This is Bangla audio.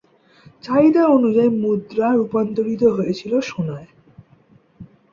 চাহিদা অনুযায়ী মুদ্রা রূপান্তরিত হয়েছিল সোনায়।